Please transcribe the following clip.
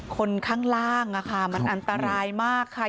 คนข้างล่างมันอันตรายมากค่ะ